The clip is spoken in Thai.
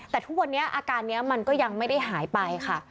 แต่ทุกวันนี้อาการนี้มันก็ยังไม่ได้หายไปค่ะ